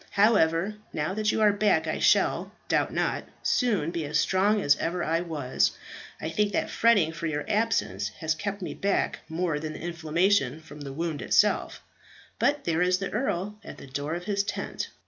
However, now that you are back I shall, doubt not, soon be as strong as ever I was. I think that fretting for your absence has kept me back more than the inflammation from the wound itself but there is the Earl at the door of his tent."